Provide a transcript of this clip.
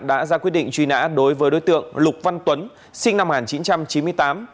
đã ra quyết định truy nã đối với đối tượng lục văn tuấn sinh năm một nghìn chín trăm chín mươi tám